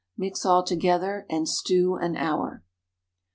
Mix all together and stew an hour.